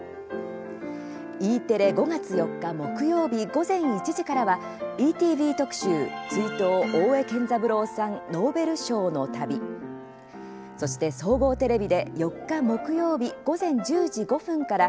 Ｅテレ、５月４日、木曜日午前１時からは「ＥＴＶ特集追悼大江健三郎さんノーベル賞の旅」そして総合テレビで４日、木曜日午前１０時５分から